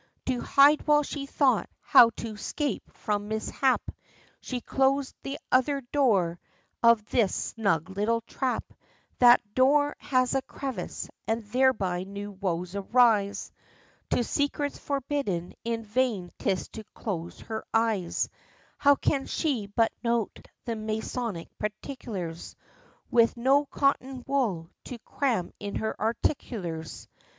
To hide while she thought how to 'scape from mishap, She closed t'other door of this snug little trap; That door has a crevice, and thereby new woes arise, To secrets forbidden in vain 'tis to close her eyes; How can she but note the masonic particulars, With no cotton wool to cram in her auriculars?